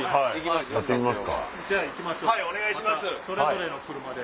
またそれぞれの車で。